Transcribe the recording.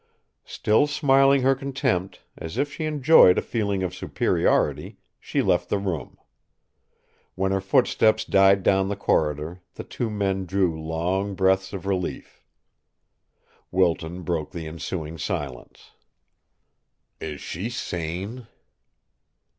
Still smiling her contempt, as if she enjoyed a feeling of superiority, she left the room. When her footsteps died down the corridor, the two men drew long breaths of relief. Wilton broke the ensuing silence. "Is she sane?"